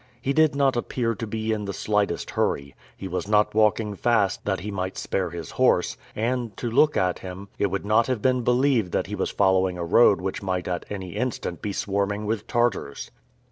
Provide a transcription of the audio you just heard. He did not appear to be in the slightest hurry; he was not walking fast that he might spare his horse, and, to look at him, it would not have been believed that he was following a road which might at any instant be swarming with Tartars.